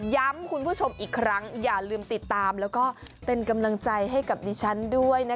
คุณผู้ชมอีกครั้งอย่าลืมติดตามแล้วก็เป็นกำลังใจให้กับดิฉันด้วยนะคะ